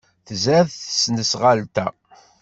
Tzad tesnasɣalt-a.